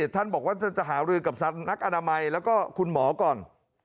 ท่านบอกว่าท่านจะหารือกับนักอนามัยแล้วก็คุณหมอก่อน